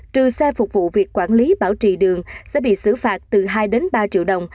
trừ xe phục vụ việc quản lý bảo trì đường sẽ bị xử phạt từ hai đến ba triệu đồng